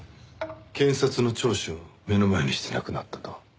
検察の聴取を目の前にして亡くなったと。